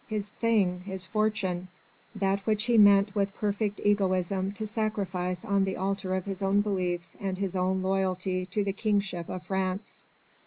his thing! his fortune! that which he meant with perfect egoism to sacrifice on the altar of his own beliefs and his own loyalty to the kingship of France!